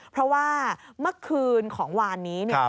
เพราะว่าเมื่อคืนของวานนี้